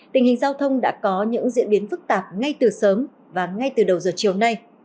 tình hình giao thông đã có những diễn biến phức tạp ngay từ sớm và ngay từ đầu giờ chiều nay